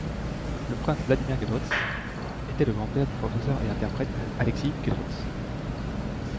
Le prince Wladimir Guedroitz était le grand-père du professeur et interprète Alexis Guedroitz.